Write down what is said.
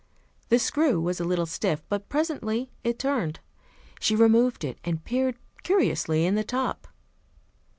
The screw was a little stiff, but presently it turned. She removed it and peered curiously in the top.